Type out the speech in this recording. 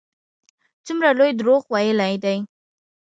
څومره لوی دروغ ویلي دي.